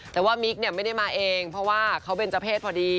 แต่ว่ามิ๊กเนี่ยไม่ได้มาเองเพราะว่าเขาเป็นเจ้าเพศพอดี